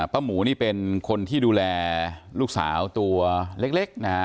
หมูนี่เป็นคนที่ดูแลลูกสาวตัวเล็กนะฮะ